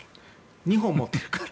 ２本持っているから。